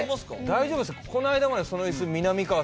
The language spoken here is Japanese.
大丈夫ですか？